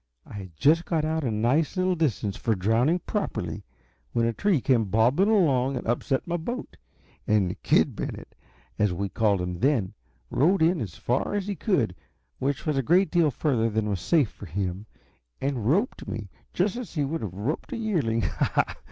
I had just got out a nice little distance for drowning properly, when a tree came bobbing along and upset my boat, and Kid Bennett, as we called him then, rode in as far as he could which was a great deal further than was safe for him and roped me, just as he would have roped a yearling. Ha! ha!